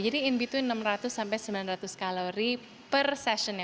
jadi in between enam ratus sampai sembilan ratus kalori per session ya